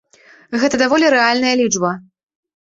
Гэта даволі рэальная лічба.